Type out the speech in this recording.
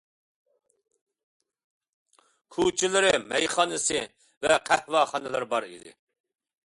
كوچىلىرى، مەيخانىسى ۋە قەھۋەخانىلىرى بار ئىدى.